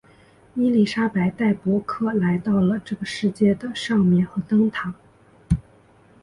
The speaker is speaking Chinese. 伊丽莎白带伯克来到了这个世界的上面和灯塔。